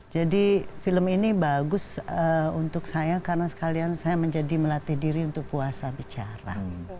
jadi film ini bagus untuk saya karena sekalian saya menjadi melatih diri untuk puasa bicara